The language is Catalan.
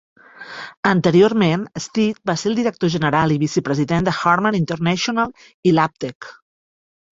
Anteriorment Stead va ser el director general i vicepresident de Harman International i Labtec.